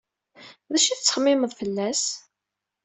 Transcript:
D acu ay txemmemed fell-as?